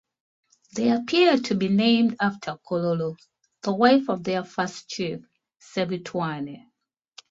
They appear to be named after Kololo, the wife of their first chief, Sebitwane.